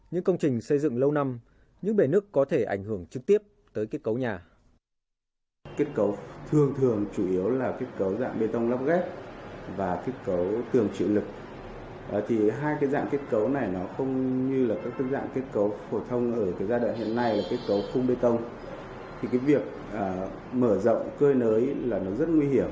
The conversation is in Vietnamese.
những công trình xây dựng lâu năm những bể nước có thể ảnh hưởng trực tiếp tới kết cấu nhà